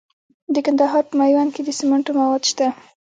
د کندهار په میوند کې د سمنټو مواد شته.